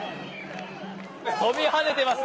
飛びはねてます。